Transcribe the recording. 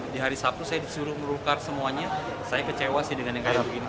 di hari sabtu saya disuruh merukar semuanya saya kecewa sih dengan yang kayak begini